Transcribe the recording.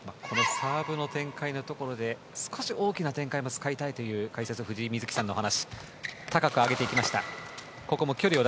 サーブの展開のところで少し大きな展開も使いたいという解説の藤井瑞希さんのお話。